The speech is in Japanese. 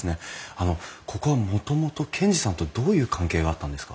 あのここはもともと賢治さんとどういう関係があったんですか？